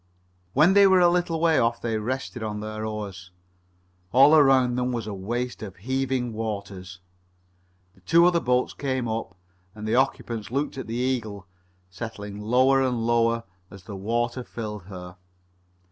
When they were a little way off they rested on their oars. All around them was a waste of heaving waters. The two other boats came up, and the occupants looked at the Eagle settling lower and lower as the water filled her.